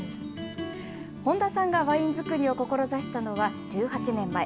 本多さんがワイン造りを志したのは１８年前。